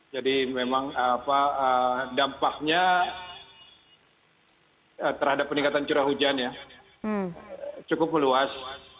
jadi memang dampaknya terhadap peningkatan curah hujan cukup meluas